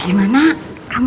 kan ada yang jumpa